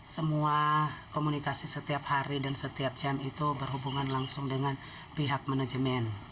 semua komunikasi setiap hari dan setiap jam itu berhubungan langsung dengan pihak manajemen